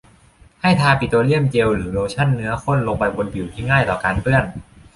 ให้ทาปิโตรเลียมเจลหรือโลชั่นเนื้อข้นลงไปบนผิวที่ง่ายต่อการเปื้อน